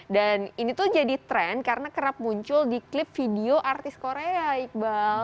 dan ini tuh jadi tren karena kerap muncul di klip video artis korea iqbal